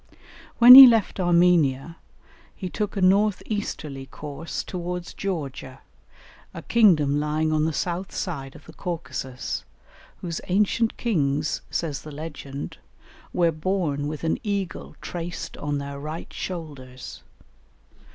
When he left Armenia he took a north easterly course towards Georgia, a kingdom lying on the south side of the Caucasus, whose ancient kings, says the legend, "were born with an eagle traced on their right shoulders."